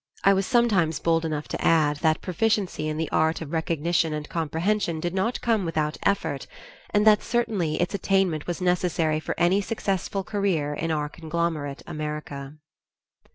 I was sometimes bold enough to add that proficiency in the art of recognition and comprehension did not come without effort, and that certainly its attainment was necessary for any successful career in our conglomerate America.